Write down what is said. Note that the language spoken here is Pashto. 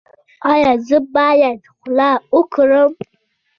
ایا زه باید خوله وکړم؟